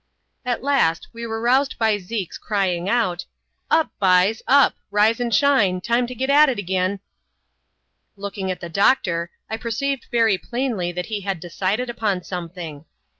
At last, we were roused by Zeke's crying out, " Up ! b'ys ; up ! rise, and shine ; time to get at it agin !" Looking at the doctor, I perceived very plainly that he had decided upon something.